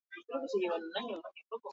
Lehenengo parte hori satira handi bat da.